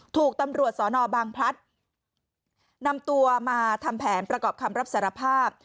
ถูกตำรวจสอนอบางพลัดนำตัวมาทำแผนประกอบคำรับสารภาพ